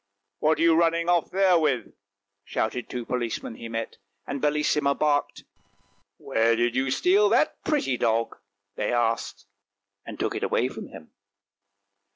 " What are you running off there with? " shouted two policemen he met, and Bellissima barked. " Where did you steal that pretty dog? " they asked, and took it away from him.